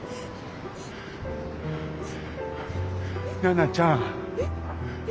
奈々ちゃん。